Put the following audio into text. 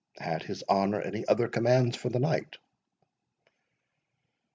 "Had his honour any other commands for the night?"